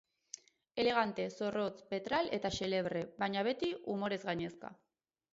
Elegante, zorrotz, petral eta xelebre, baina beti umorez gainezka.